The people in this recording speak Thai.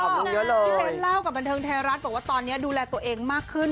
พี่เบ้นเล่ากับบันเทิงไทยรัฐบอกว่าตอนนี้ดูแลตัวเองมากขึ้น